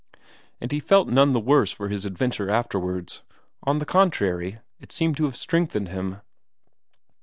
And he felt none the worse for his adventure afterwards; on the contrary, it seemed to have strengthened him.